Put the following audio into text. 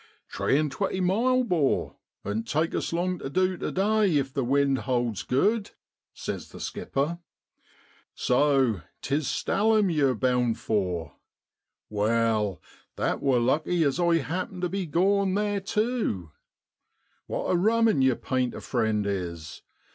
' Tree and twenty miles, 'bor, oan't take us long tu du tu day if the wind holds good,' says the skipper. ' So 'tis Stalham yew're bound for; wal, that wor lucky, as I happen tu be goin' theer tew. What a rummen yer painter friend is.